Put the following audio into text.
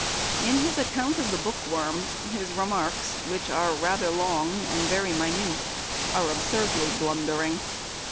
In his account of the bookworm, his remarks, which are rather long and very minute, are absurdly blundering.